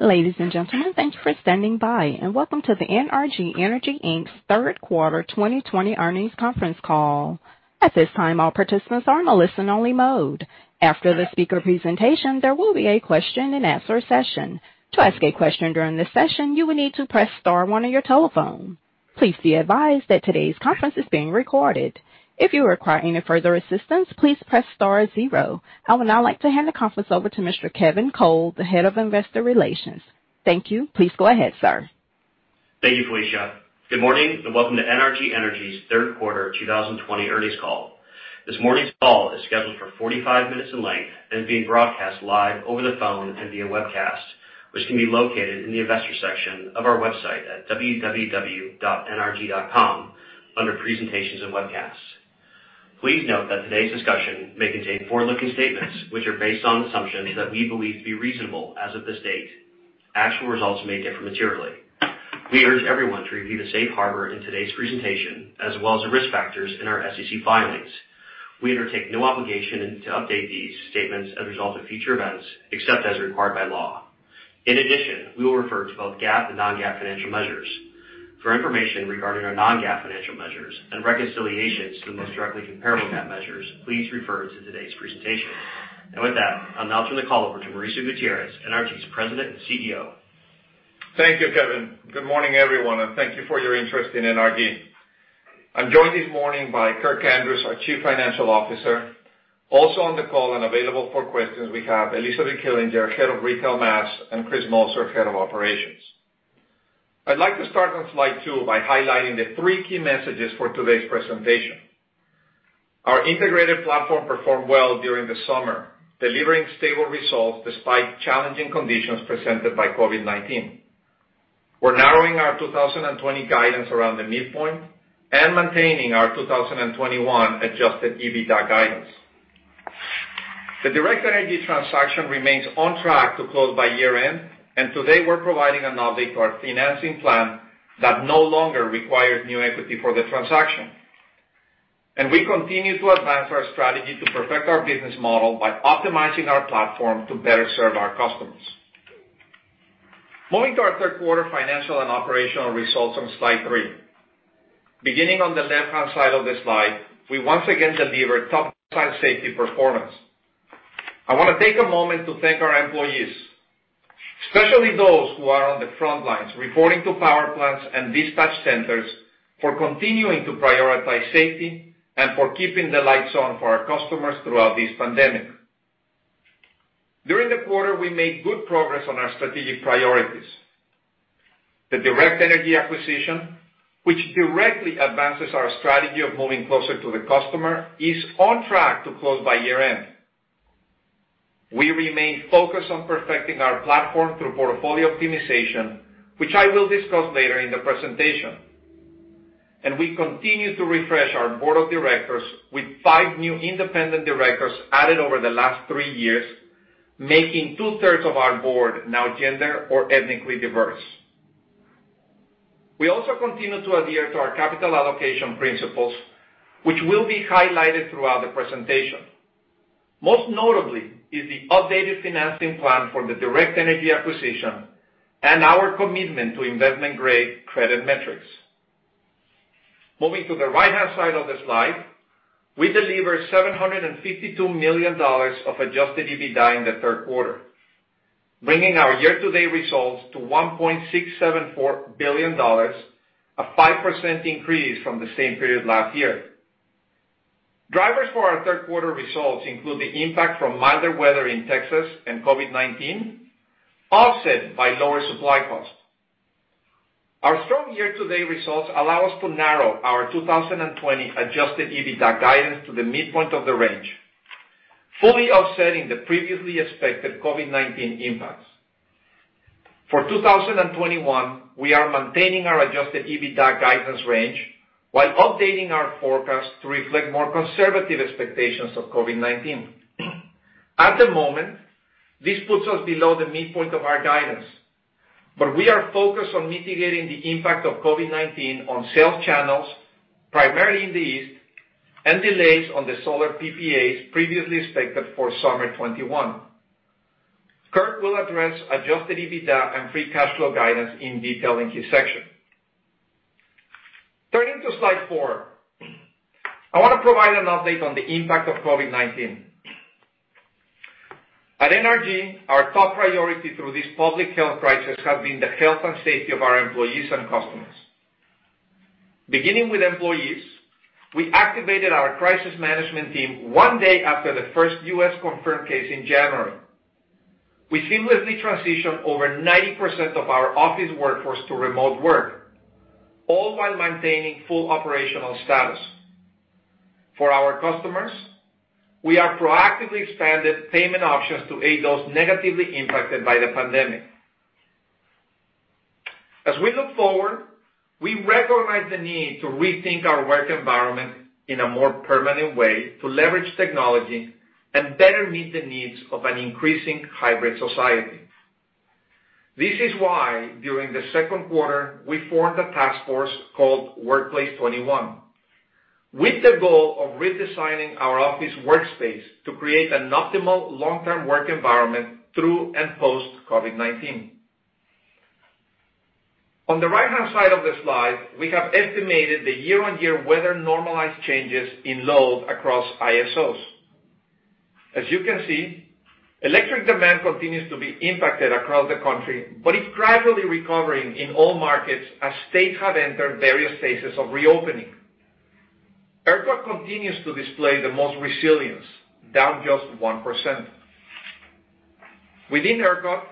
Ladies and gentlemen, thank you for standing by, and welcome to the NRG Energy, Inc's third quarter 2020 earnings conference call. At this time, all participants are in a listen-only mode. After the speaker presentation, there will be a question-and-answer session. To ask a question during this session, you will need to press star one on your telephone. Please be advised that today's conference is being recorded. If you require any further assistance, please press star zero. I would now like to hand the conference over to Mr. Kevin Cole, the Head of Investor Relations. Thank you. Please go ahead, sir. Thank you, Felicia. Good morning, and welcome to NRG Energy's third quarter 2020 earnings call. This morning's call is scheduled for 45 minutes in length and is being broadcast live over the phone and via webcast, which can be located in the Investors section of our website at www.nrg.com under Presentations & Webcasts. Please note that today's discussion may contain forward-looking statements which are based on assumptions that we believe to be reasonable as of this date. Actual results may differ materially. We urge everyone to review the safe harbor in today's presentation, as well as the risk factors in our SEC filings. We undertake no obligation to update these statements as a result of future events, except as required by law. In addition, we will refer to both GAAP and non-GAAP financial measures. For information regarding our non-GAAP financial measures and reconciliations to the most directly comparable GAAP measures, please refer to today's presentation. With that, I'll now turn the call over to Mauricio Gutierrez, NRG's President and CEO. Thank you, Kevin. Good morning, everyone, and thank you for your interest in NRG. I'm joined this morning by Kirk Andrews, our Chief Financial Officer. Also, on the call and available for questions, we have Elizabeth Killinger, Head of Retail Mass; and Chris Moser, Head of Operations. I'd like to start on slide two by highlighting the three key messages for today's presentation. Our integrated platform performed well during the summer, delivering stable results despite challenging conditions presented by COVID-19. We're narrowing our 2020 guidance around the midpoint and maintaining our 2021 adjusted EBITDA guidance. The Direct Energy transaction remains on track to close by year-end, and today, we're providing an update to our financing plan that no longer requires new equity for the transaction. And we continue to advance our strategy to perfect our business model by optimizing our platform to better serve our customers. Moving to our third quarter financial and operational results on slide three. Beginning on the left-hand side of the slide, we once again delivered top-tier safety performance. I want to take a moment to thank our employees, especially those who are on the front lines, reporting to power plants and dispatch centers, for continuing to prioritize safety and for keeping the lights on for our customers throughout this pandemic. During the quarter, we made good progress on our strategic priorities. The Direct Energy acquisition, which directly advances our strategy of moving closer to the customer, is on track to close by year-end. We remain focused on perfecting our platform through portfolio optimization, which I will discuss later in the presentation. And we continue to refresh our Board of Directors with five new independent directors added over the last three years, making 2/3 of our board now gender or ethnically diverse. We also continue to adhere to our capital allocation principles, which will be highlighted throughout the presentation. Most notably is the updated financing plan for the Direct Energy acquisition and our commitment to investment-grade credit metrics. Moving to the right-hand side of the slide, we delivered $752 million of adjusted EBITDA in the third quarter, bringing our year-to-date results to $1.674 billion, a 5% increase from the same period last year. Drivers for our third quarter results include the impact from milder weather in Texas and COVID-19, offset by lower supply costs. Our strong year-to-date results allow us to narrow our 2020 adjusted EBITDA guidance to the midpoint of the range, fully offsetting the previously expected COVID-19 impacts. For 2021, we are maintaining our adjusted EBITDA guidance range while updating our forecast to reflect more conservative expectations of COVID-19. At the moment, this puts us below the midpoint of our guidance, but we are focused on mitigating the impact of COVID-19 on sales channels, primarily in the East, and delays on the solar PPAs previously expected for summer 2021. Kirk will address adjusted EBITDA and free cash flow guidance in detail in his section. Turning to slide four. I want to provide an update on the impact of COVID-19. At NRG, our top priority through this public health crisis has been the health and safety of our employees and customers. Beginning with employees, we activated our crisis management team one day after the first U.S. confirmed case in January. We seamlessly transitioned over 90% of our office workforce to remote work, all while maintaining full operational status. For our customers, we have proactively expanded payment options to aid those negatively impacted by the pandemic. As we look forward, we recognize the need to rethink our work environment in a more permanent way to leverage technology and better meet the needs of an increasing hybrid society. This is why, during the second quarter, we formed a task force called Workplace 2021 with the goal of redesigning our office workspace to create an optimal long-term work environment through and post-COVID-19. On the right-hand side of the slide, we have estimated the year-on-year weather-normalized changes in load across ISOs. As you can see, electric demand continues to be impacted across the country, but it's gradually recovering in all markets as states have entered various phases of reopening. ERCOT continues to display the most resilience, down just 1%. Within ERCOT,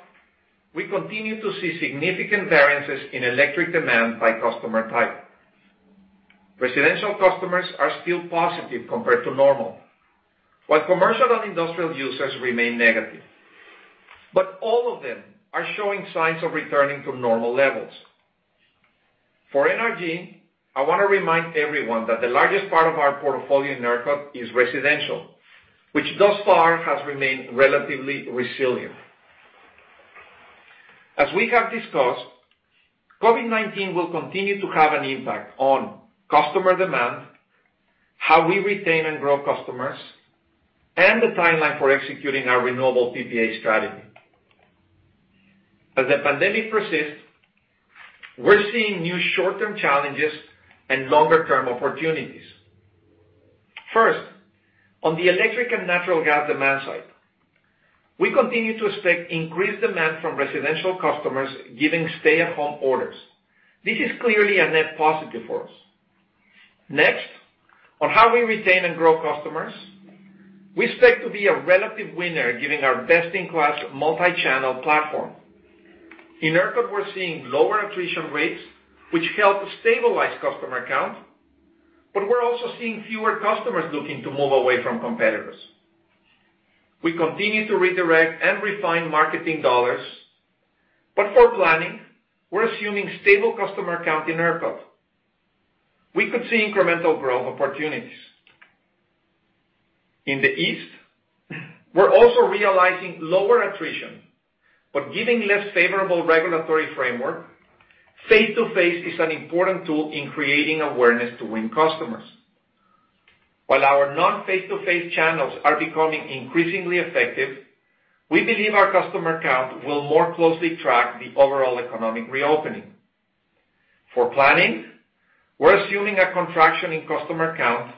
we continue to see significant variances in electric demand by customer type. Residential customers are still positive compared to normal, while commercial and industrial users remain negative. But all of them are showing signs of returning to normal levels. For NRG, I want to remind everyone that the largest part of our portfolio in ERCOT is residential, which, thus far, has remained relatively resilient. As we have discussed, COVID-19 will continue to have an impact on customer demand, how we retain and grow customers, and the timeline for executing our renewable PPA strategy. As the pandemic persists, we're seeing new short-term challenges and longer-term opportunities. First, on the electric and natural gas demand side, we continue to expect increased demand from residential customers given stay-at-home orders. This is clearly a net positive for us. Next, on how we retain and grow customers, we expect to be a relative winner given our best-in-class multi-channel platform. In ERCOT, we're seeing lower attrition rates, which help stabilize customer count, but we're also seeing fewer customers looking to move away from competitors. We continue to redirect and refine marketing dollars, but for planning, we're assuming stable customer count in ERCOT. We could see incremental growth opportunities. In the East, we're also realizing lower attrition, but given less favorable regulatory framework, face-to-face is an important tool in creating awareness to win customers. While our non-face-to-face channels are becoming increasingly effective, we believe our customer count will more closely track the overall economic reopening. For planning, we're assuming a contraction in customer count,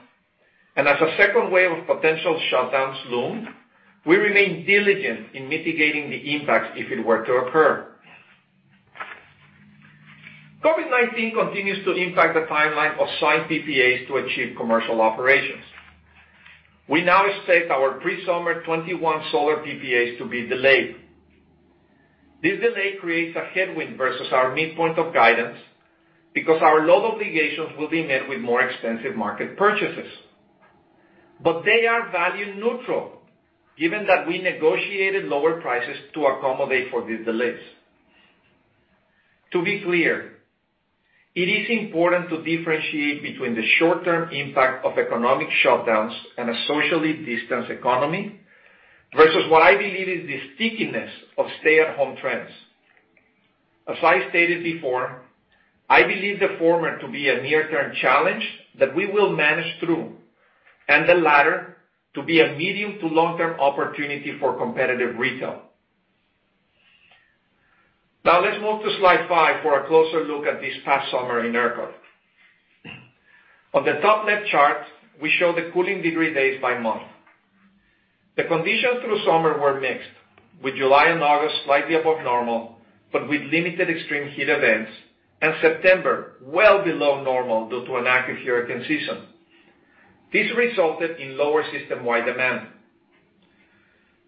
and as a second wave of potential shutdowns loom, we remain diligent in mitigating the impacts if it were to occur. COVID-19 continues to impact the timeline of signed PPAs to achieve commercial operations. We now expect our pre-summer 2021 solar PPAs to be delayed. This delay creates a headwind versus our midpoint of guidance because our load obligations will be met with more expensive market purchases. But they are value-neutral, given that we negotiated lower prices to accommodate for these delays. To be clear, it is important to differentiate between the short-term impact of economic shutdowns and a socially distanced economy versus what I believe is the stickiness of stay-at-home trends. As I stated before, I believe the former to be a near-term challenge that we will manage through, and the latter to be a medium- to long-term opportunity for competitive retail. Now, let's move to slide five for a closer look at this past summer in ERCOT. On the top left chart, we show the cooling degree days by month. The conditions through summer were mixed, with July and August slightly above normal, but with limited extreme heat events, and September well below normal due to an active hurricane season. This resulted in lower system-wide demand.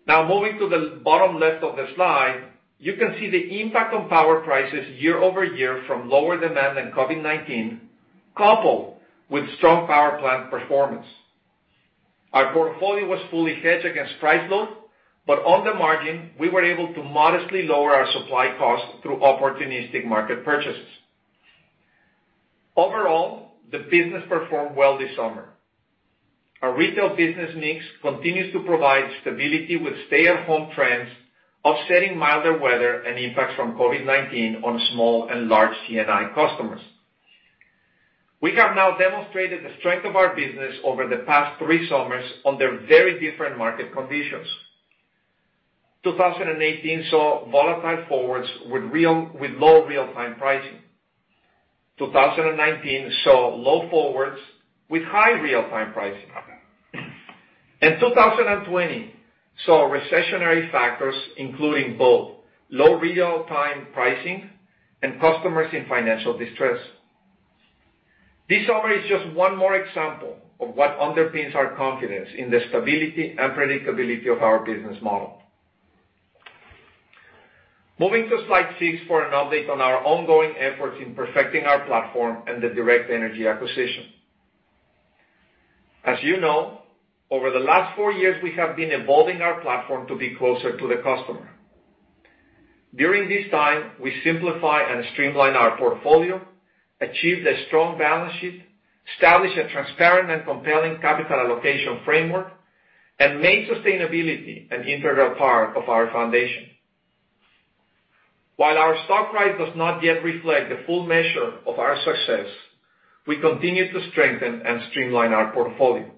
Now, moving to the bottom left of the slide, you can see the impact on power prices year-over-year from lower demand and COVID-19, coupled with strong power plant performance. Our portfolio was fully hedged against price load, but on the margin, we were able to modestly lower our supply costs through opportunistic market purchases. Overall, the business performed well this summer. Our retail business mix continues to provide stability with stay-at-home trends, offsetting milder weather and impacts from COVID-19 on small and large C&I customers. We have now demonstrated the strength of our business over the past three summers under very different market conditions. 2018 saw volatile forwards with low real-time pricing. 2019 saw low forwards with high real-time pricing. And 2020 saw recessionary factors, including both low real-time pricing and customers in financial distress. This summer is just one more example of what underpins our confidence in the stability and predictability of our business model. Moving to slide six for an update on our ongoing efforts in perfecting our platform and the Direct Energy acquisition. As you know, over the last four years, we have been evolving our platform to be closer to the customer. During this time, we simplified and streamlined our portfolio, achieved a strong balance sheet, established a transparent and compelling capital allocation framework, and made sustainability an integral part of our foundation. While our stock price does not yet reflect the full measure of our success, we continue to strengthen and streamline our portfolio.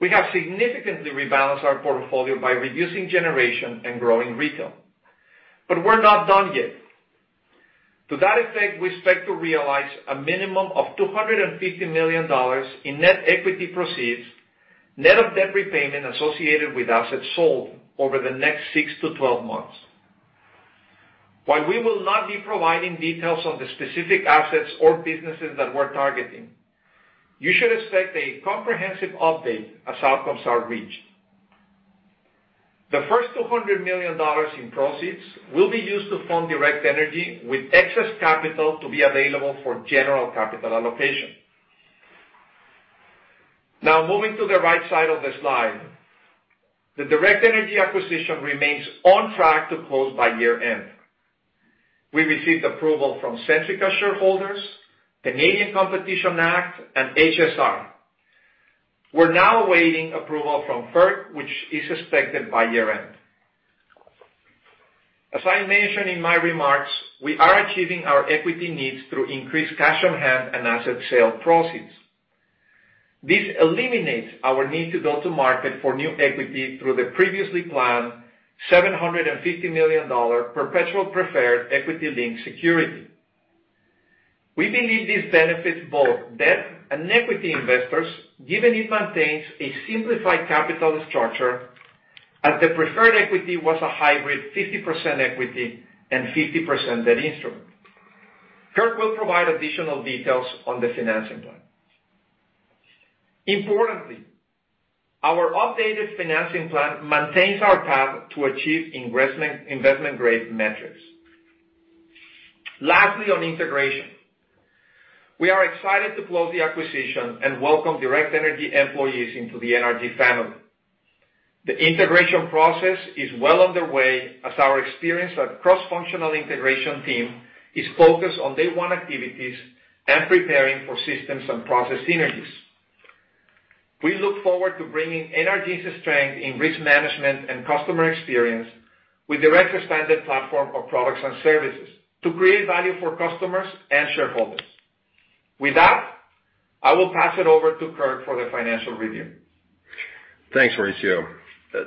We have significantly rebalanced our portfolio by reducing generation and growing retail. But we're not done yet. To that effect, we expect to realize a minimum of $250 million in net equity proceeds, net of debt repayment associated with assets sold over the next 6-12 months. While we will not be providing details on the specific assets or businesses that we're targeting, you should expect a comprehensive update as outcomes are reached. The first $200 million in proceeds will be used to fund Direct Energy, with excess capital to be available for general capital allocation. Now, moving to the right side of the slide. The Direct Energy acquisition remains on track to close by year-end. We received approval from Centrica shareholders, Canadian Competition Act, and HSR. We're now awaiting approval from FERC, which is expected by year-end. As I mentioned in my remarks, we are achieving our equity needs through increased cash on hand and asset sale proceeds. This eliminates our need to go to market for new equity through the previously planned $750 million perpetual preferred equity-linked security. We believe this benefits both debt and equity investors, given it maintains a simplified capital structure, as the preferred equity was a hybrid 50% equity and 50% debt instrument. Kirk will provide additional details on the financing plan. Importantly, our updated financing plan maintains our path to achieve investment-grade metrics. Lastly, on integration. We are excited to close the acquisition and welcome Direct Energy employees into the NRG family. The integration process is well underway as our experienced but cross-functional integration team is focused on day one activities and preparing for systems and process synergies. We look forward to bringing NRG's strength in risk management and customer experience with Direct's expanded platform of products and services to create value for customers and shareholders. With that, I will pass it over to Kirk for the financial review. Thanks, Mauricio.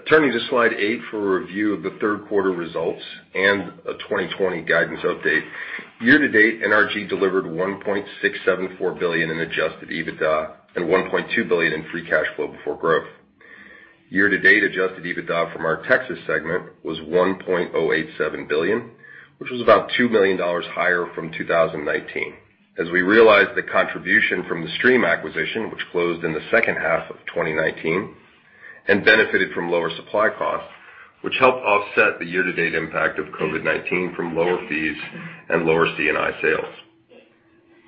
Turning to slide eight for a review of the third quarter results and a 2020 guidance update. Year-to-date, NRG delivered $1.674 billion in adjusted EBITDA and $1.2 billion in free cash flow before growth. Year-to-date adjusted EBITDA from our Texas segment was $1.087 billion, which was about $2 million higher from 2019, as we realized the contribution from the Stream acquisition, which closed in the second half of 2019, and benefited from lower supply costs, which helped offset the year-to-date impact of COVID-19 from lower fees and lower C&I sales.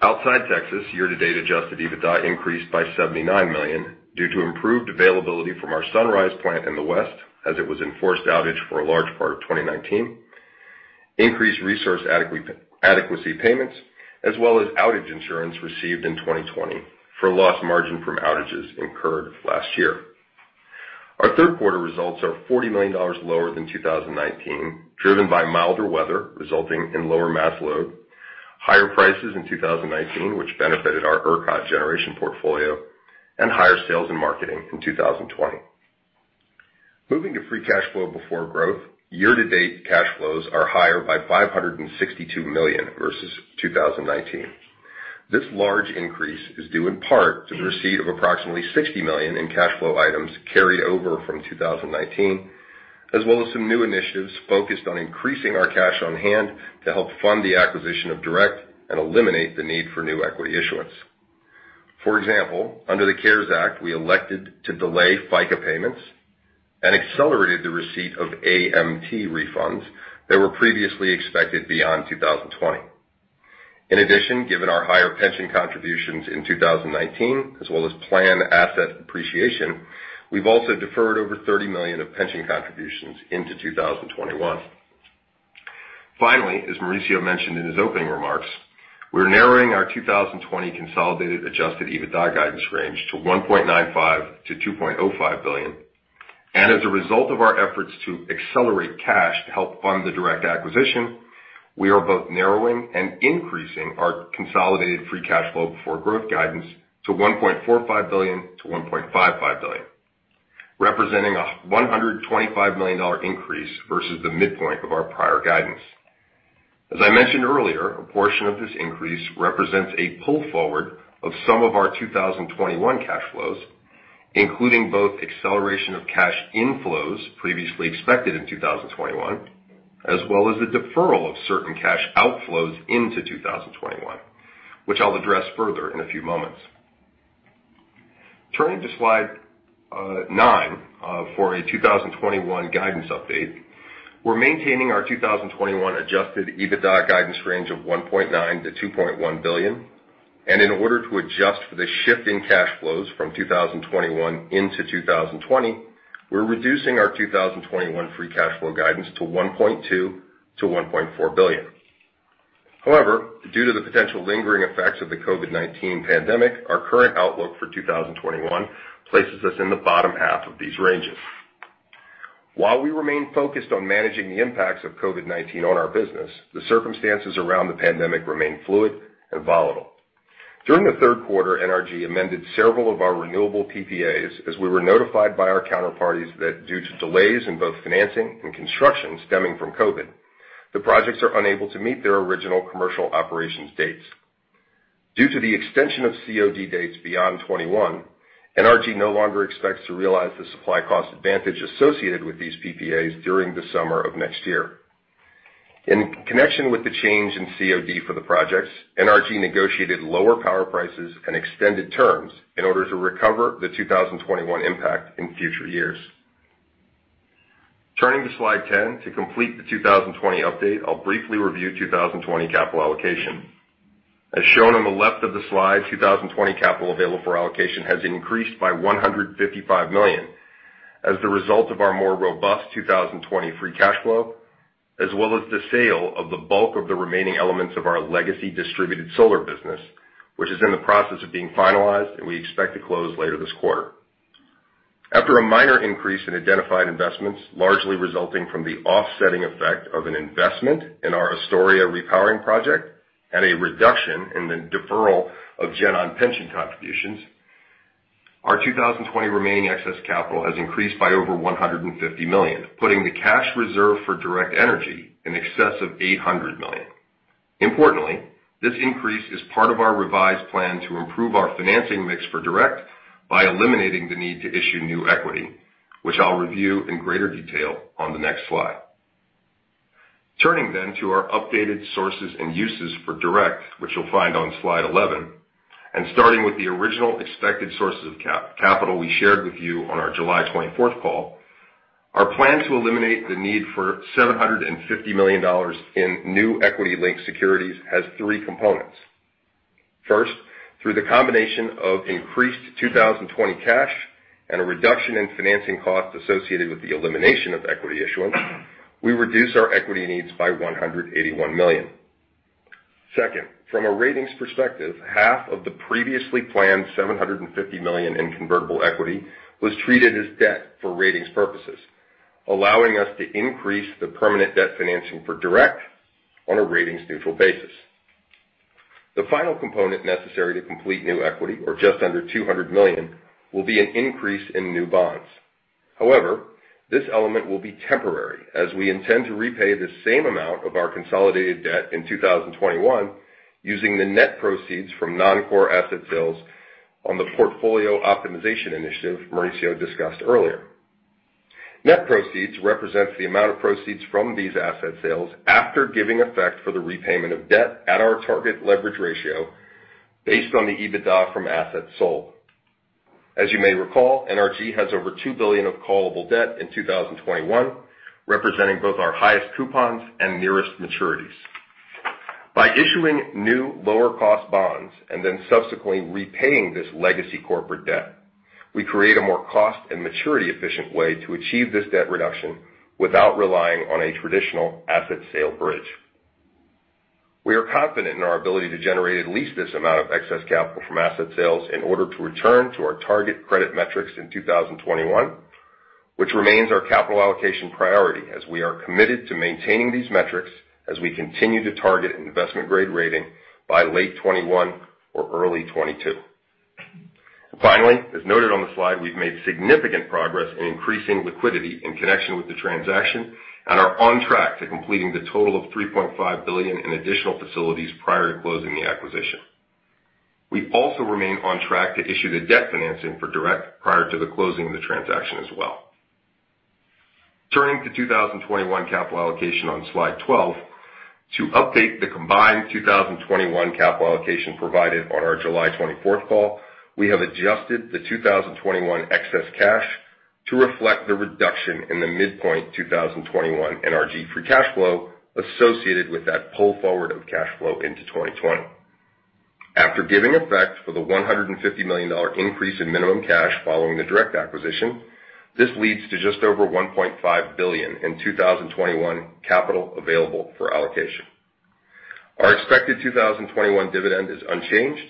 Outside Texas, year-to-date adjusted EBITDA increased by $79 million due to improved availability from our Sunrise plant in the West, as it was in forced outage for a large part of 2019, increased resource adequacy payments, as well as outage insurance received in 2020 for lost margin from outages incurred last year. Our third quarter results are $40 million lower than 2019, driven by milder weather resulting in lower mass load, higher prices in 2019, which benefited our ERCOT generation portfolio, and higher sales and marketing in 2020. Moving to free cash flow before growth, year-to-date cash flows are higher by $562 million versus 2019. This large increase is due in part to the receipt of approximately $60 million in cash flow items carried over from 2019, as well as some new initiatives focused on increasing our cash on hand to help fund the acquisition of Direct and eliminate the need for new equity issuance. For example, under the CARES Act, we elected to delay FICA payments and accelerated the receipt of AMT refunds that were previously expected beyond 2020. In addition, given our higher pension contributions in 2019, as well as plan asset depreciation, we've also deferred over $30 million of pension contributions into 2021. Finally, as Mauricio mentioned in his opening remarks, we're narrowing our 2020 consolidated adjusted EBITDA guidance range to $1.95 billion-$2.05 billion, and as a result of our efforts to accelerate cash to help fund the Direct acquisition, we are both narrowing and increasing our consolidated free cash flow before growth guidance to $1.45 billion-$1.55 billion, representing a $125 million increase versus the midpoint of our prior guidance. As I mentioned earlier, a portion of this increase represents a pull forward of some of our 2021 cash flows, including both acceleration of cash inflows previously expected in 2021, as well as the deferral of certain cash outflows into 2021, which I'll address further in a few moments. Turning to slide nine for a 2021 guidance update. We're maintaining our 2021 adjusted EBITDA guidance range of $1.9 billion-$2.1 billion, and in order to adjust for the shift in cash flows from 2021 into 2020, we're reducing our 2021 free cash flow guidance to $1.2 billion-$1.4 billion. However, due to the potential lingering effects of the COVID-19 pandemic, our current outlook for 2021 places us in the bottom half of these ranges. While we remain focused on managing the impacts of COVID-19 on our business, the circumstances around the pandemic remain fluid and volatile. During the third quarter, NRG amended several of our renewable PPAs as we were notified by our counterparties that due to delays in both financing and construction stemming from COVID, the projects are unable to meet their original commercial operations dates. Due to the extension of COD dates beyond 2021, NRG no longer expects to realize the supply cost advantage associated with these PPAs during the summer of next year. In connection with the change in COD for the projects, NRG negotiated lower power prices and extended terms in order to recover the 2021 impact in future years. Turning to slide 10 to complete the 2020 update, I'll briefly review 2020 capital allocation. As shown on the left of the slide, 2020 capital available for allocation has increased by $155 million as the result of our more robust 2020 free cash flow, as well as the sale of the bulk of the remaining elements of our legacy distributed solar business, which is in the process of being finalized, and we expect to close later this quarter. After a minor increase in identified investments, largely resulting from the offsetting effect of an investment in our Astoria Repowering Project and a reduction in the deferral of GenOn pension contributions, our 2020 remaining excess capital has increased by over $150 million, putting the cash reserve for Direct Energy in excess of $800 million. Importantly, this increase is part of our revised plan to improve our financing mix for Direct by eliminating the need to issue new equity, which I'll review in greater detail on the next slide. Turning then to our updated sources and uses for Direct, which you'll find on slide 11, and starting with the original expected sources of capital we shared with you on our July 24th call, our plan to eliminate the need for $750 million in new equity-linked securities has three components. First, through the combination of increased 2020 cash and a reduction in financing costs associated with the elimination of equity issuance, we reduce our equity needs by $181 million. Second, from a ratings perspective, half of the previously planned $750 million in convertible equity was treated as debt for ratings purposes, allowing us to increase the permanent debt financing for Direct on a ratings-neutral basis. The final component necessary to complete new equity, or just under $200 million, will be an increase in new bonds. However, this element will be temporary, as we intend to repay the same amount of our consolidated debt in 2021 using the net proceeds from non-core asset sales on the portfolio optimization initiative Mauricio discussed earlier. Net proceeds represents the amount of proceeds from these asset sales after giving effect for the repayment of debt at our target leverage ratio based on the EBITDA from assets sold. As you may recall, NRG has over $2 billion of callable debt in 2021, representing both our highest coupons and nearest maturities. By issuing new lower-cost bonds and then subsequently repaying this legacy corporate debt, we create a more cost- and maturity-efficient way to achieve this debt reduction without relying on a traditional asset sale bridge. We are confident in our ability to generate at least this amount of excess capital from asset sales in order to return to our target credit metrics in 2021, which remains our capital allocation priority, as we are committed to maintaining these metrics as we continue to target investment-grade rating by late 2021 or early 2022. Finally, as noted on the slide, we've made significant progress in increasing liquidity in connection with the transaction and are on track to completing the total of $3.5 billion in additional facilities prior to closing the acquisition. We also remain on track to issue the debt financing for Direct prior to the closing of the transaction as well. Turning to 2021 capital allocation on slide 12, to update the combined 2021 capital allocation provided on our July 24th call, we have adjusted the 2021 excess cash to reflect the reduction in the midpoint 2021 NRG free cash flow associated with that pull forward of cash flow into 2020. After giving effect for the $150 million increase in minimum cash following the Direct acquisition, this leads to just over $1.5 billion in 2021 capital available for allocation. Our expected 2021 dividend is unchanged,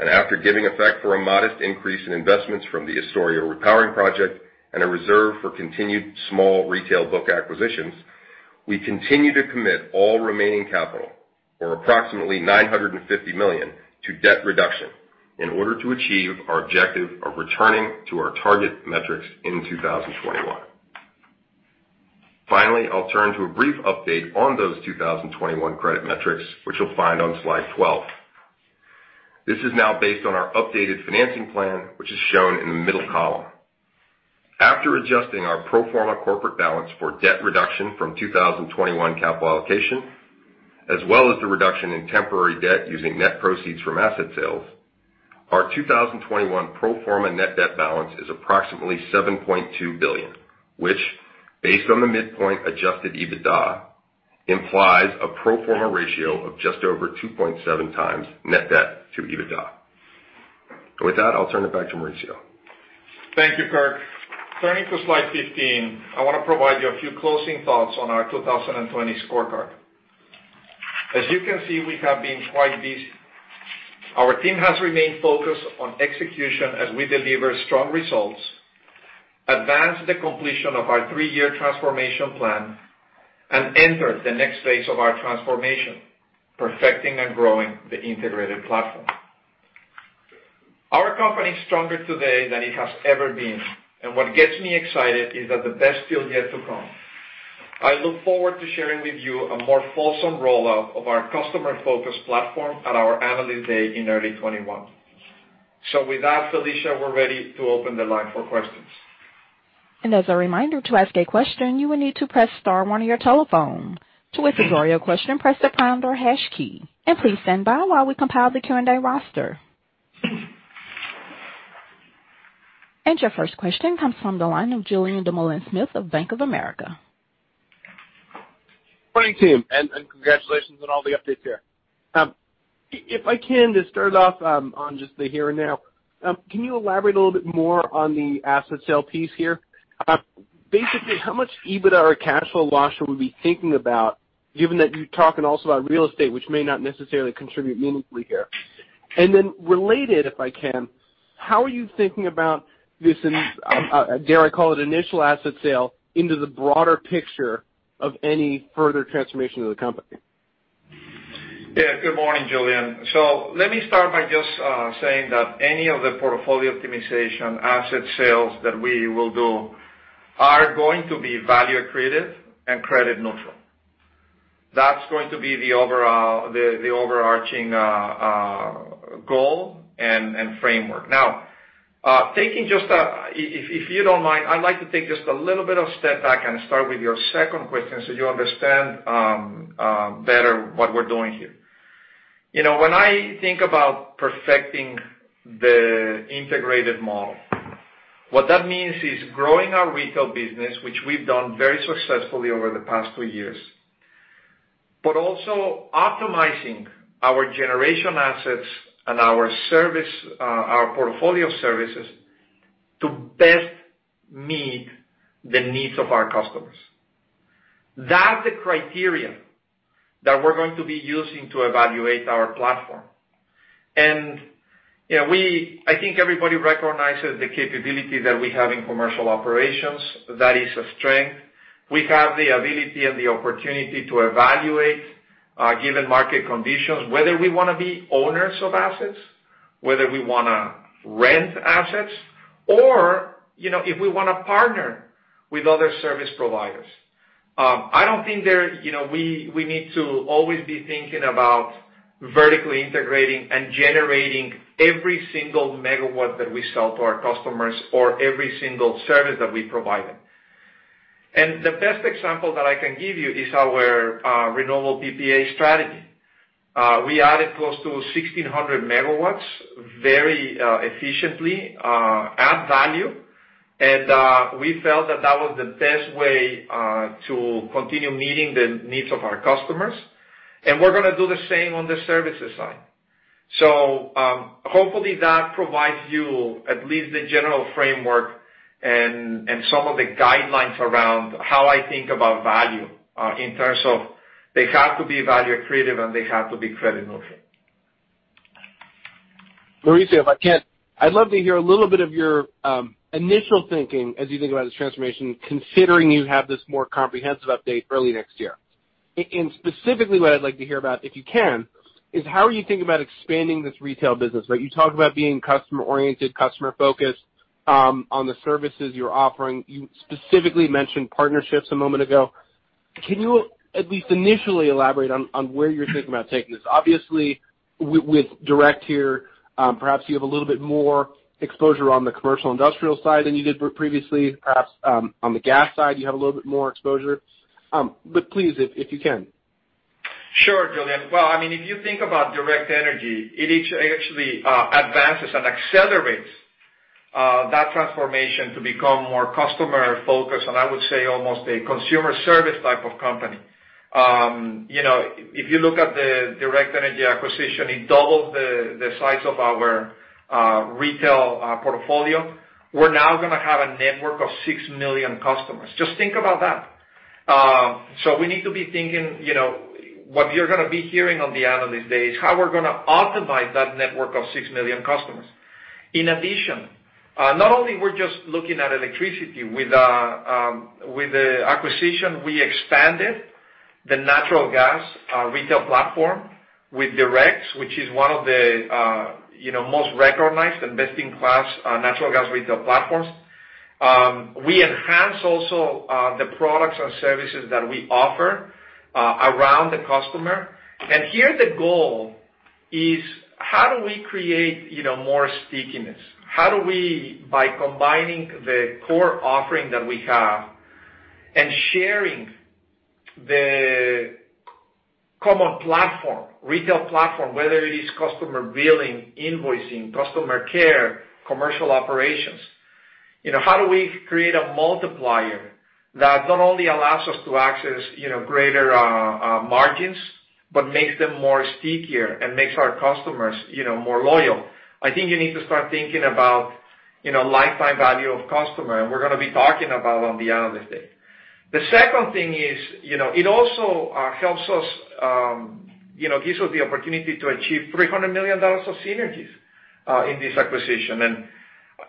and after giving effect for a modest increase in investments from the Astoria Repowering Project and a reserve for continued small retail book acquisitions, we continue to commit all remaining capital, or approximately $950 million, to debt reduction in order to achieve our objective of returning to our target metrics in 2021. Finally, I'll turn to a brief update on those 2021 credit metrics, which you'll find on slide 12. This is now based on our updated financing plan, which is shown in the middle column. After adjusting our pro forma corporate balance for debt reduction from 2021 capital allocation, as well as the reduction in temporary debt using net proceeds from asset sales, our 2021 pro forma net debt balance is approximately $7.2 billion, which, based on the midpoint adjusted EBITDA, implies a pro forma ratio of just over 2.7x net debt-to-EBITDA. With that, I'll turn it back to Mauricio. Thank you, Kirk. Turning to slide 15, I want to provide you a few closing thoughts on our 2020 scorecard. As you can see, we have been quite busy. Our team has remained focused on execution as we deliver strong results, advance the completion of our three-year transformation plan, and enter the next phase of our transformation, perfecting and growing the integrated platform. Our company is stronger today than it has ever been, and what gets me excited is that the best is still yet to come. I look forward to sharing with you a more fulsome rollout of our customer-focused platform at our Analyst Day in early 2021. With that, Felicia, we're ready to open the line for questions. As a reminder, to ask a question, you will need to press star one on your telephone. To withdraw your question, press the pound or hash key. Please stand by while we compile the Q&A roster. Your first question comes from the line of Julien Dumoulin-Smith of Bank of America. Morning, team, and congratulations on all the updates here. If I can just start off on just the here and now, can you elaborate a little bit more on the asset sale piece here? Basically, how much EBITDA or cash flow loss should we be thinking about given that you're talking also about real estate, which may not necessarily contribute meaningfully here? Then, related, if I can, how are you thinking about this, dare I call it initial asset sale, into the broader picture of any further transformation of the company? Yeah. Good morning, Julien. Let me start by just saying that any of the portfolio optimization asset sales that we will do are going to be value accretive and credit neutral. That's going to be the overarching goal and framework. Now, taking just, if you don't mind, I'd like to take just a little bit of a step back and start with your second question, so you understand better what we're doing here. You know, when I think about perfecting the integrated model, what that means is growing our retail business, which we've done very successfully over the past two years, but also optimizing our generation assets and our portfolio services to best meet the needs of our customers. That's the criteria that we're going to be using to evaluate our platform. And I think everybody recognizes the capability that we have in commercial operations. That is a strength. We have the ability and the opportunity to evaluate, given market conditions, whether we want to be owners of assets, whether we want to rent assets, or if we want to partner with other service providers. I don't think we need to always be thinking about vertically integrating and generating every single megawatt that we sell to our customers or every single service that we provide them. The best example that I can give you is our renewable PPA strategy. We added close to 1,600 MW very efficiently, at value, and we felt that that was the best way to continue meeting the needs of our customers. And we're going to do the same on the services side. Hopefully, that provides you at least the general framework and some of the guidelines around how I think about value in terms of they have to be value accretive, and they have to be credit neutral. Mauricio, if I can, I'd love to hear a little bit of your initial thinking as you think about this transformation, considering you have this more comprehensive update early next year. Specifically, what I'd like to hear about, if you can, is how are you thinking about expanding this retail business? You talk about being customer-oriented, customer-focused on the services you're offering. You specifically mentioned partnerships a moment ago. Can you at least initially elaborate on where you're thinking about taking this? Obviously, with Direct here, perhaps you have a little bit more exposure on the commercial industrial side than you did previously. Perhaps on the gas side, you have a little bit more exposure. But please, if you can. Sure, Julien. Well, I mean, if you think about Direct Energy, it actually advances and accelerates that transformation to become more customer-focused, and I would say almost a consumer service type of company. You know, if you look at the Direct Energy acquisition, it doubled the size of our retail portfolio. We're now going to have a network of 6 million customers. Just think about that. We need to be thinking, you know, what you're going to be hearing on the Analyst Day is how we're going to optimize that network of 6 million customers. In addition, not only we're just looking at electricity. With the acquisition, we expanded the natural gas retail platform with Direct, which is one of the, you know, most recognized and best-in-class natural gas retail platforms. We enhance also the products and services that we offer around the customer. And here, the goal is how do we create, you know, more stickiness? How do we, by combining the core offering that we have and sharing the common platform, retail platform, whether it is customer billing, invoicing, customer care, commercial operations, you know, how do we create a multiplier that not only allows us to access, you know, greater margins, but makes them more stickier and makes our customers, you know, more loyal? I think you need to start thinking about, you know, lifetime value of customer, and we're going to be talking about on the Analyst Day. The second thing is, you know, it also gives us, you know, the opportunity to achieve $300 million of synergies in this acquisition.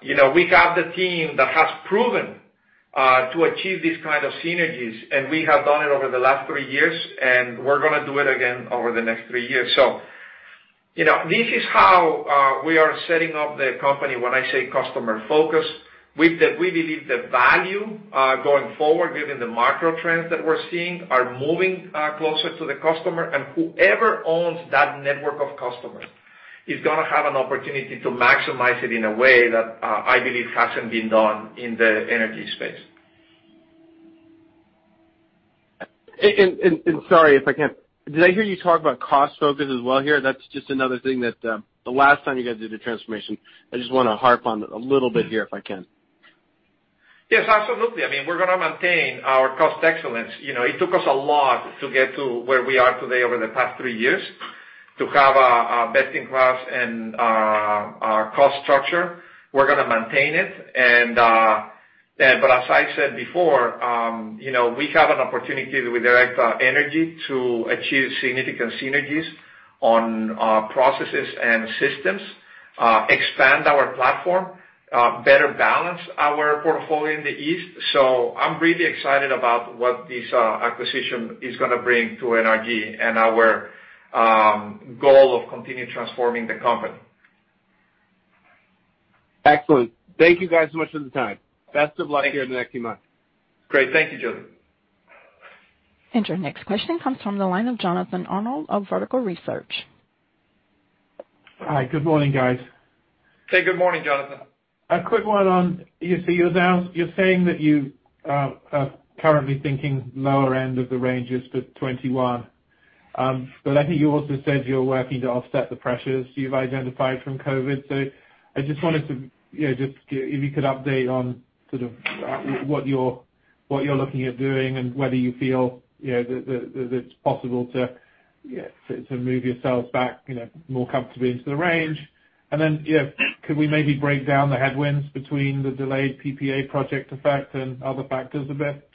You know, we have the team that has proven to achieve these kinds of synergies, and we have done it over the last three years, and we're going to do it again over the next three years. So, you know, this is how we are setting up the company when I say customer focused. We believe the value going forward, given the macro trends that we're seeing, are moving closer to the customer, and whoever owns that network of customers is going to have an opportunity to maximize it in a way that I believe hasn't been done in the energy space. And sorry if I can, did I hear you talk about cost focus as well here? That's just another thing that the last time you guys did the transformation; I just want to harp on a little bit here if I can. Yes, absolutely. I mean, we're going to maintain our cost excellence. You know, it took us a lot to get to where we are today over the past three years to have a best-in-class and our cost structure. We're going to maintain it. But as I said before, you know, we have an opportunity with Direct Energy to achieve significant synergies on our processes and systems, expand our platform, better balance our portfolio in the East, so I'm really excited about what this acquisition is going to bring to NRG and our goal of continuing transforming the company. Excellent. Thank you guys so much for the time. Best of luck here in the next few months. Great. Thank you, Julien. Your next question comes from the line of Jonathan Arnold of Vertical Research. Hi. Good morning, guys. Hey, good morning, Jonathan. A quick one on, you see, you announced, you're saying that you are currently thinking lower end of the ranges for 2021. But I think you also said you're working to offset the pressures you've identified from COVID, so I just wondered if you could update on sort of what you're looking at doing and whether you feel that it's possible to move yourselves back, you know, more comfortably into the range. And then, could we maybe break down the headwinds between the delayed PPA project effect and other factors a bit?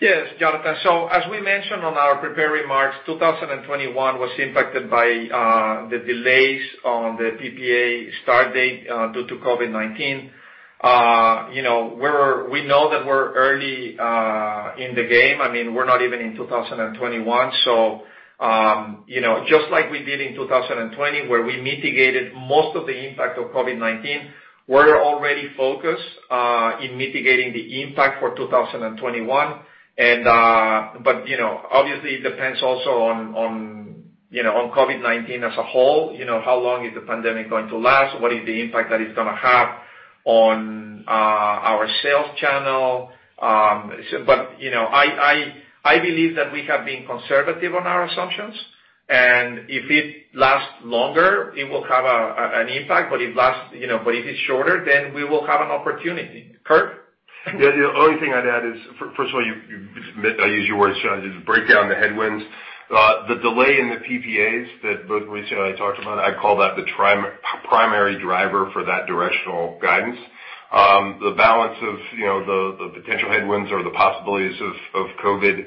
Yes, Jonathan. As we mentioned on our prepared remarks, 2021 was impacted by the delays on the PPA start date due to COVID-19. You know, we know that we're early in the game, and we're not even in 2021, so, you know, just like we did in 2020 where we mitigated most of the impact of COVID-19, we're already focused in mitigating the impact for 2021. But you know, obviously, it depends also on, you know, on COVID-19 as a whole, you know, how long is the pandemic going to last? What is the impact that it's going to have on our sales channel? I believe that we have been conservative on our assumptions, and if it lasts longer, it will have an impact, but if it's shorter, then we will have an opportunity. Kirk? Yeah, the only thing I'd add is, first of all, I use your words, Jonathan, to break down the headwinds. The delay in the PPAs that both Mauricio and I talked about, I'd call that the primary driver for that directional guidance. The balance of, you know, the potential headwinds or the possibilities of COVID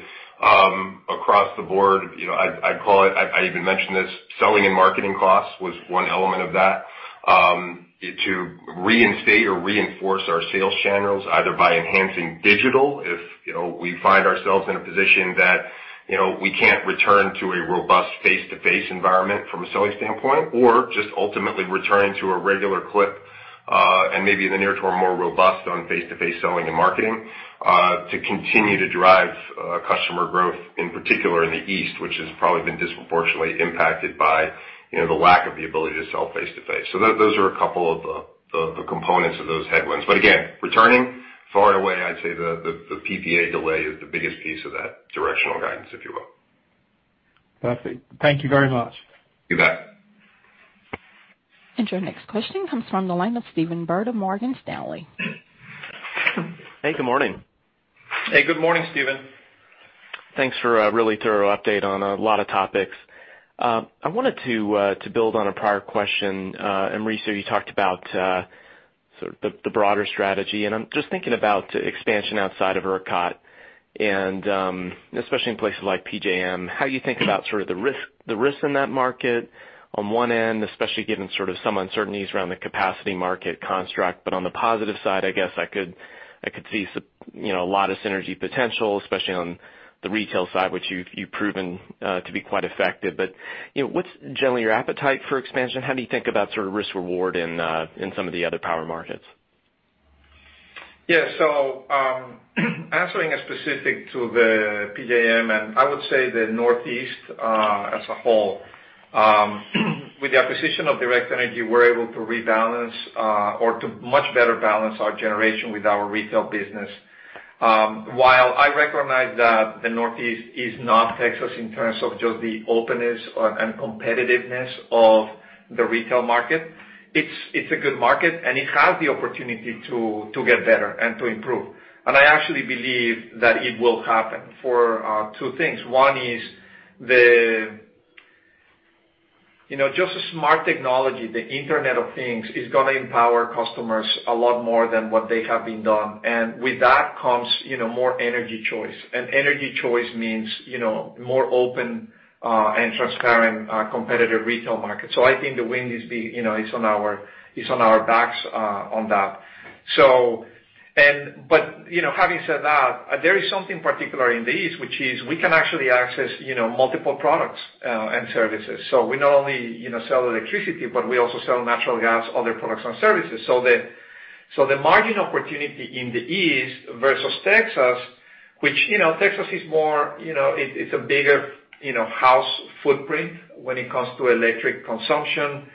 across the board, you know, I've called it, I even mentioned this, selling and marketing costs was one element of that, it to reinstate or reinforce our sales channels either by enhancing digital if, you know, we find ourselves in a position that, you know, we can't return to a robust face-to-face environment from a selling standpoint, or just ultimately returning to a regular clip, and maybe in the near term, more robust on face-to-face selling and marketing, to continue to drive customer growth, in particular in the East, which has probably been disproportionately impacted by, you know, the lack of the ability to sell face-to-face. So, those are a couple of the components of those headwinds. But again, returning far and away, I'd say the PPA delay is the biggest piece of that directional guidance, if you will. Perfect. Thank you very much. You bet. Your next question comes from the line of Stephen Byrd of Morgan Stanley. Hey, good morning. Hey, good morning, Stephen. Thanks for a really thorough update on a lot of topics. I wanted to build on a prior question. Mauricio, you talked about sort of the broader strategy, and I'm just thinking about the expansion outside of ERCOT, and especially in places like PJM, how you think about sort of the risk in that market on one end, especially given sort of some uncertainties around the capacity market construct? But on the positive side, I guess, I could see a lot of synergy potential, especially on the retail side, which you've proven to be quite effective. But, you know, what's generally your appetite for expansion? How do you think about sort of risk-reward in some of the other power markets? Yeah. So, answering specific to the PJM, and I would say the Northeast as a whole, with the acquisition of Direct Energy, we're able to rebalance or to much better balance our generation with our retail business. While I recognize that the Northeast is not Texas in terms of just the openness and competitiveness of the retail market, it's a good market, and it has the opportunity to get better and to improve. And I actually believe that it will happen for two things. One is, you know, just the smart technology, the Internet of Things, is going to empower customers a lot more than what they have been done. And with that, comes, you know, more energy choice, and energy choice means, you know, more open and transparent competitive retail market. So, I think the wind is on our backs on that. Having said that, there is something particular in the East, which is we can actually access, you know, multiple products and services. So, we not only, you know, sell electricity, but we also sell natural gas, other products and services. So, the margin opportunity in the East versus Texas, which, you know, Texas is more, you know, it is a bigger, you know, house footprint when it comes to electric consumption.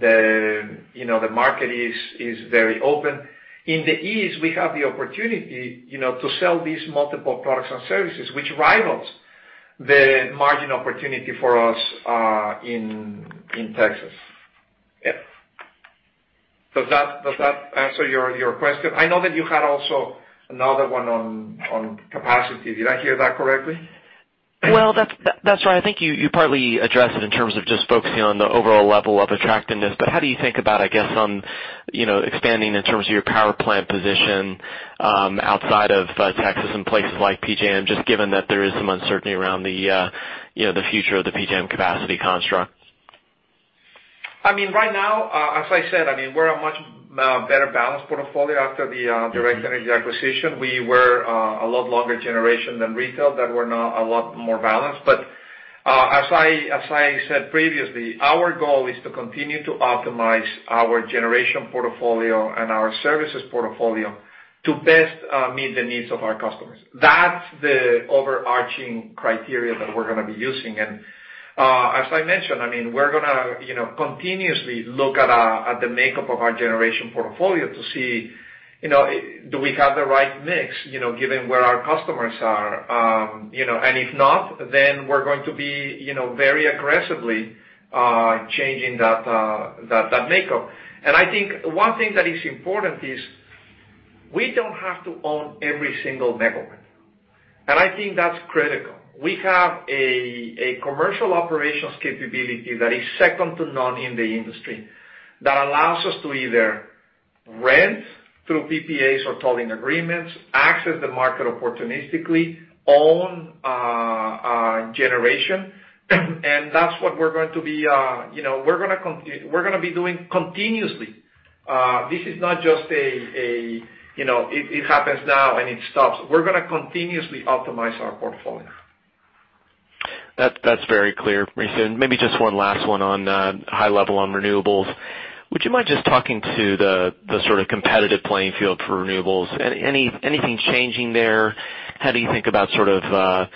The, you know, the market is very open. In the East, we have the opportunity, you know, to sell these multiple products and services, which rivals the margin opportunity for us in Texas. Yeah. Does that answer your question? I know that you had also another one on capacity. Did I hear that correctly? That's right. I think you partly addressed it in terms of just focusing on the overall level of attractiveness. But how do you think about, I guess, on, you know, expanding in terms of your power plant position outside of Texas and places like PJM, just given that there is some uncertainty around the future of the PJM capacity construct? I mean, right now, as I said, we're a much better-balanced portfolio after the Direct Energy acquisition. We were a lot longer generation than retail that we're now a lot more balanced. But as I said previously, our goal is to continue to optimize our generation portfolio and our services portfolio to best meet the needs of our customers. That's the overarching criteria that we're going to be using. As I mentioned, we're going to continuously look at the makeup of our generation portfolio to see, you know, do we have the right mix, you know, given where our customers are, you know? And if not, then we're going to be, you know, very aggressively changing that makeup. I think one thing that is important is we don't have to own every single megawatt, and I think that's critical. We have a commercial operations capability that is second to none in the industry that allows us to either rent through PPAs or tolling agreements, access the market opportunistically, own generation, and that's what we're going to be, you know, we're going to be doing continuously. This is not just a, you know, it happens now and it stops. We're going to continuously optimize our portfolio. That's very clear, Mauricio. Maybe just one last one on high level on renewables. Would you mind just talking to the sort of competitive playing field for renewables? Anything changing there? How do you think about sort of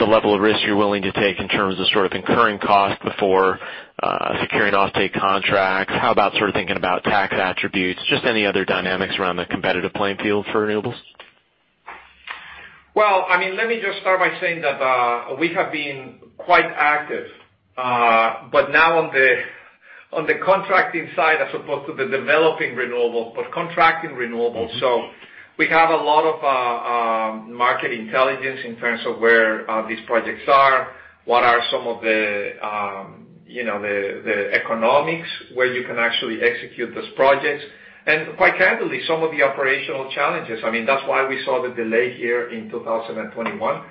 the level of risk you're willing to take in terms of sort of incurring cost before securing offtake contracts? How about sort of thinking about tax attributes? Just any other dynamics around the competitive playing field for renewables? Well, I mean, let me just start by saying that we have been quite active, but now, on the contracting side, as opposed to the developing renewable, but contracting renewable. We have a lot of market intelligence in terms of where these projects are, what are some of the, you know, the economics where you can actually execute those projects, and quite candidly, some of the operational challenges. I mean, that's why we saw the delay here in 2021.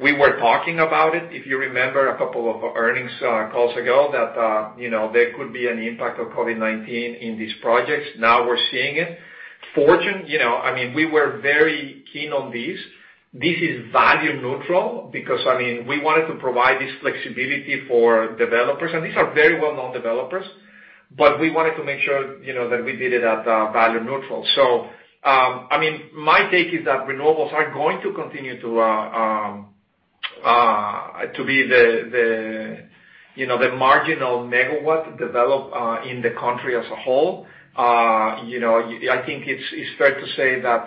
We were talking about it, if you remember a couple of earnings calls ago, that, you know, there could be an impact of COVID-19 in these projects. Now, we're seeing it. Fortune, you know, I mean, we were very keen on this. This is value neutral because, I mean, we wanted to provide this flexibility for developers, and these are very well-known developers. But we wanted to make sure, you know, that we did it at value neutral. So, I mean, my take is that renewables are going to continue to be the, you know, the marginal megawatt developed in the country as a whole. You know, I think it's fair to say that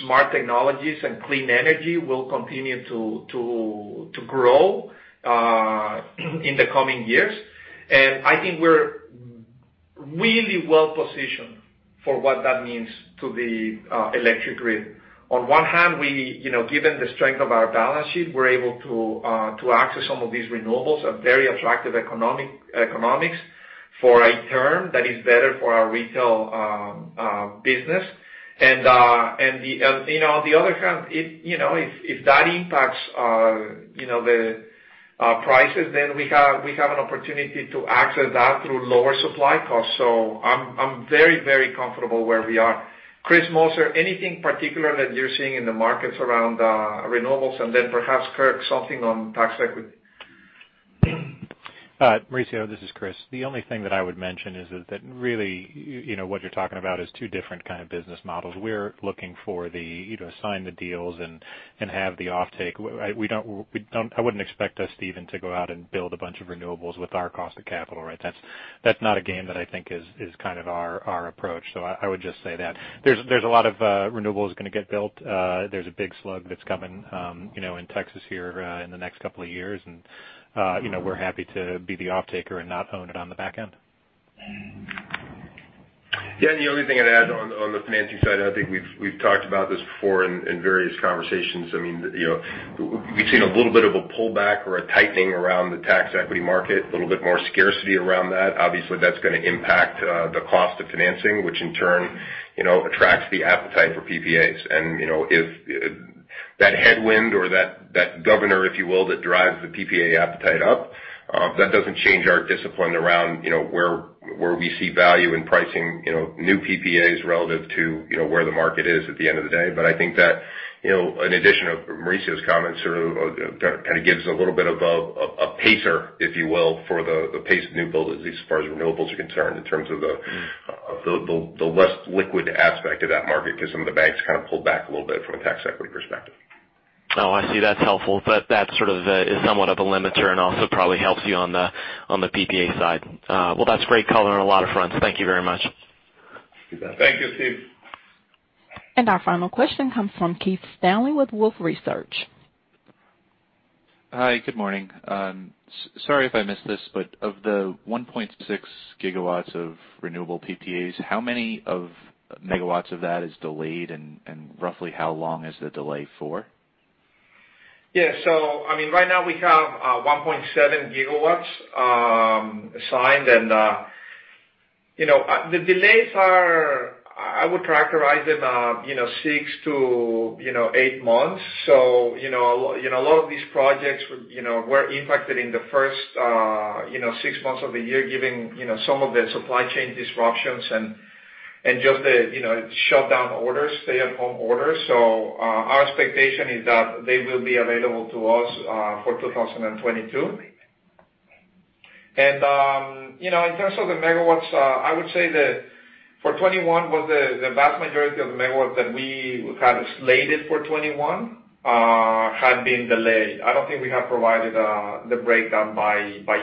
smart technologies and clean energy will continue to grow in the coming years. And I think we're really well-positioned for what that means to the electric grid. On one hand, we, you know, given the strength of our balance sheet, we're able to access some of these renewables at very attractive economics for a term that is better for our retail business. On the other hand, if, you know, if that impacts, you know, the prices, then we have an opportunity to access that through lower supply costs. So, I'm very, very comfortable where we are. Chris Moser, anything particular that you're seeing in the markets around renewables? Then, perhaps, Kirk, something on tax equity? Mauricio, this is Chris. The only thing that I would mention is that really, what you're talking about is two different kinds of business models. We're looking for the, you know, sign the deals and have the offtake. We don't, I wouldn't expect us even to go out and build a bunch of renewables with our cost of capital. That's not a game that I think is kind of our approach. So, I would just say that. There's a lot of renewables going to get built. There's a big slug that's coming, you know, in Texas here in the next couple of years, and, you know, we're happy to be the offtaker and not own it on the back end. Yeah. And the only thing I'd add on the financing side, I think we've talked about this before in various conversations, I mean, we've seen a little bit of a pullback or a tightening around the tax equity market, a little bit more scarcity around that. Obviously, that's going to impact the cost of financing, which in turn, you know, attracts the appetite for PPAs. And, you know, if that headwind or that governor, if you will, that drives the PPA appetite up, that doesn't change our discipline around, you know, where we see value in pricing, you know, new PPAs relative to, you know, where the market is at the end of the day. But I think that, you know, in addition of Mauricio's comments, kind of gives a little bit of a pacer, if you will, for the pace of new build, at least as far as renewables are concerned in terms of the less liquid aspect of that market, because some of the banks kind of pulled back a little bit from a tax equity perspective. Oh, I see. That's helpful. That sort of is somewhat of a limiter and also probably helps you on the PPA side. Well, that's great color on a lot of fronts. Thank you very much. You bet. Thank you, Steve. And our final question comes from Keith Stanley with Wolfe Research. Hi. Good morning. Sorry if I missed this, but of the 1.6 GW of renewable PPAs, how many of megawatts of that is delayed, and roughly how long is the delay for? Yeah. So, I mean, right now, we have 1.7 GW signed, and, you know, the delays are, I would characterize them, you know, 6-8 months. You know, a lot of these projects were, you know, impacted in the first six months of the year, given, you know, some of the supply chain disruptions and just the shutdown orders, stay-at-home orders. Our expectation is that they will be available to us for 2022. And, you know, in terms of the megawatts, I would say that for 2021 was, the vast majority of the megawatts that we had slated for 2021 had been delayed. I don't think we have provided the breakdown by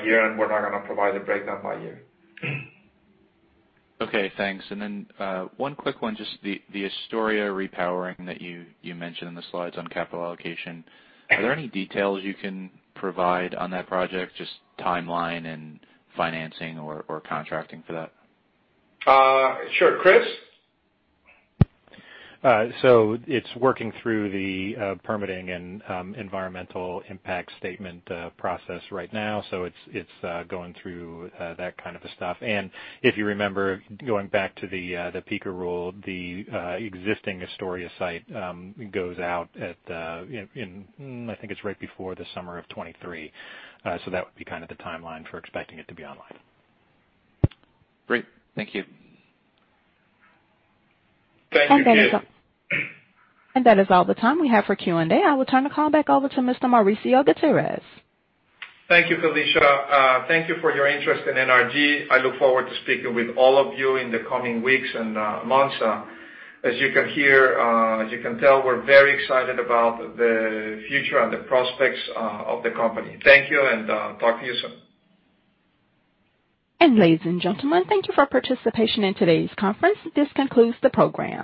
year, and we're not going to provide the breakdown by year. Okay, thanks. Then one quick one, just the Astoria Repowering that you mentioned in the slides on capital allocation. Are there any details you can provide on that project, just timeline and financing or contracting for that? Sure. Chris? It's working through the permitting and environmental impact statement process right now, so it's going through that kind of stuff. If you remember, going back to the Peaker Rule, the existing Astoria site goes out at, I think it's right before the summer of 2023. That would be kind of the timeline for expecting it to be online. Great. Thank you. Thank you, Keith. That is all the time we have for Q&A. I will turn the call back over to Mr. Mauricio Gutierrez. Thank you, Felicia. Thank you for your interest in NRG. I look forward to speaking with all of you in the coming weeks and months. As you can tell, we're very excited about the future and the prospects of the company. Thank you, and talk to you soon. Ladies and gentlemen, thank you for participation in today's conference. This concludes the program.